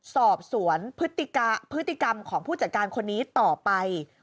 สอบสวนพฤติกรรมของผู้จัดการคนนี้ต่อไป